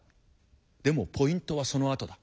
でもポイントはそのあとだ。